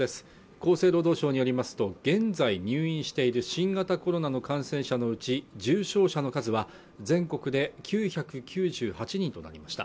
厚生労働省によりますと現在入院している新型コロナの感染者のうち重症者の数は全国で９９８人となりました